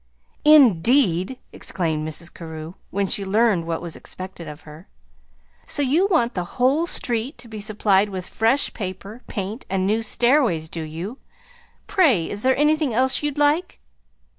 "Indeed!" exclaimed Mrs. Carew, when she learned what was expected of her, "so you want the whole street to be supplied with fresh paper, paint, and new stairways, do you? Pray, is there anything else you'd like?"